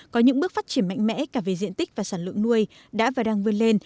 có những bước phát triển mạnh mẽ cả về diện tích và sản lượng nuôi đã và đang vươn lên